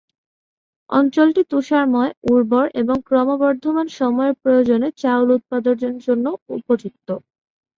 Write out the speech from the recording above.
অঞ্চলটি তুষারময়, উর্বর এবং ক্রমবর্ধমান সময়ের প্রয়োজনে চাউল উৎপাদনের জন্য উপযুক্ত।